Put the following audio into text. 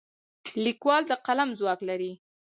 لیکوال د قلم ځواک لري.